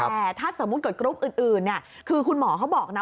แต่ถ้าสมมุติเกิดกรุ๊ปอื่นคือคุณหมอเขาบอกนะ